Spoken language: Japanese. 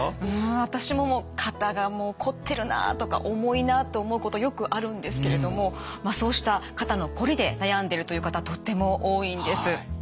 うん私ももう肩がもうこってるなとか重いなと思うことよくあるんですけれどもそうした肩のこりで悩んでるという方とっても多いんです。